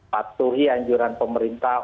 patuhi anjuran pemerintah